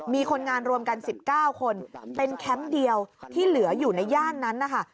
มีคนงานรวมกัน๑๙คนเป็นแคมป์เดียวที่เหลืออยู่ในย่านนั้นนะคะ